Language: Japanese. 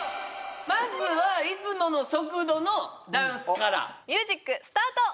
まずはいつもの速度のダンスからミュージックスタート！